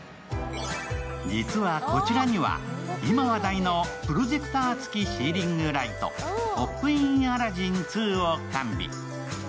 実は、こちらには今、話題のプロジェクター付きシーリングライト、ポップイン・アラジン２を完備。